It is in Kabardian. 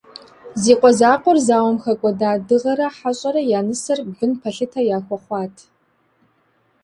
Зи къуэ закъуэр зауэм хэкӏуэда Дыгъэрэ Хьэщӏэрэ я нысэр бын пэлъытэ яхуэхъуат.